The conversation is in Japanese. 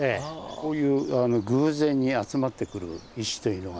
こういう偶然に集まってくる石というのが。